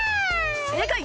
正解！